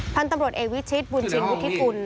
พันธุ์ตำรวจเอกวิชิตบุญชิงวุฒิกุล